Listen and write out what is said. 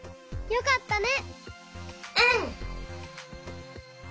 よかったね。